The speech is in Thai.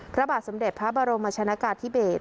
พระบาทสมเด็จพระบรมชนะกาธิเบศ